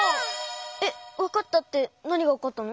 えっわかったってなにがわかったの？